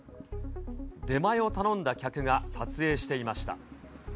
出前を頼んだ客が撮影していました。